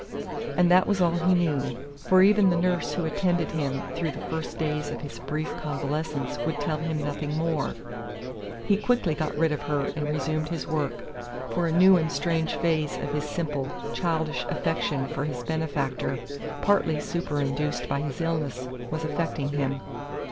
And that was all he knew. For even the nurse who attended him through the first days of his brief convalescence would tell him nothing more. He quickly got rid of her and resumed his work, for a new and strange phase of his simple, childish affection for his benefactor, partly superinduced by his illness, was affecting him.